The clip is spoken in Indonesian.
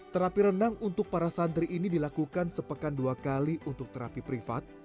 terapi renang untuk para santri ini dilakukan sepekan dua kali untuk terapi privat